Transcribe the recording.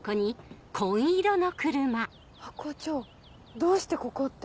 ハコ長どうしてここって。